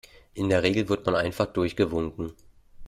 In der Regel wird man einfach durchgewunken.